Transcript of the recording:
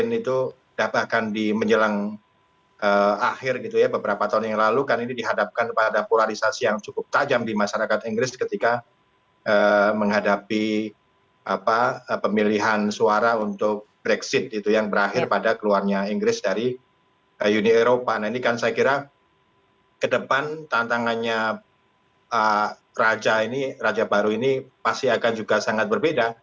nah ini kan saya kira ke depan tantangannya raja ini raja baru ini pasti akan juga sangat berbeda